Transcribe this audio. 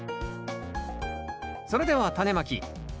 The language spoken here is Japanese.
それではタネまき。